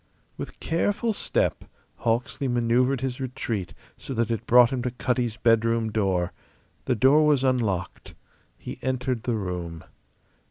With careful step Hawksley manoeuvred his retreat so that it brought him to Cutty's bedroom door. The door was unlocked. He entered the room.